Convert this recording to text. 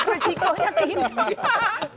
resikonya gini pak